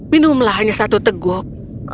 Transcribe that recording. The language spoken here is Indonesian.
minumlah hanya satu teguk